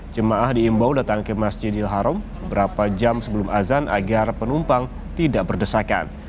jemaah diimbau datang ke masjidil haram beberapa jam sebelum azan agar penumpang tidak berdesakan